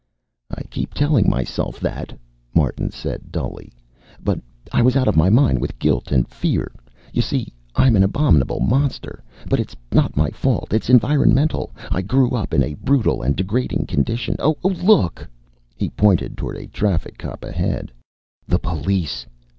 "I kept telling myself that," Martin said dully, "but I was out of my mind with guilt and fear. You see, I'm an abominable monster. But it's not my fault. It's environmental. I grew up in brutal and degrading conditions oh, look!" He pointed toward a traffic cop ahead. "The police!